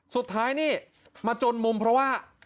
สุดท้ายนี่มาจนมุมเพราะว่า